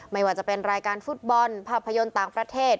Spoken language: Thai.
ไม่ว่าจะเป็นรายการฟุตบอลภาพยนตร์ต่างประเทศ